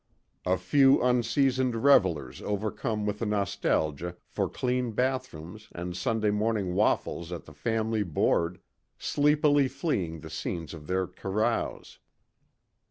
A few unseasoned revellers overcome with a nostalgia for clean bathrooms and Sunday morning waffles at the family board, sleepily fleeing the scenes of their carouse.